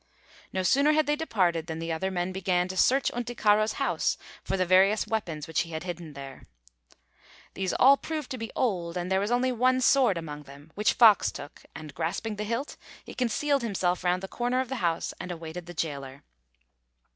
No sooner had they departed, than the other men began to search Unticaro's house for the various weapons which he had hidden there. These all proved to be old, and there was only one sword among them which Fox took, and, grasping the hilt, he concealed himself round the corner of the house and awaited the gaoler.